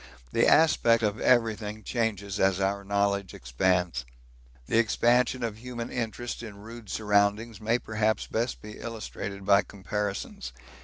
The aspect of everything changes as our knowledge expands. The expansion of human interest in rude surroundings may perhaps best be illustrated by comparisons.